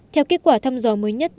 theo kết quả thăm dò mới nhất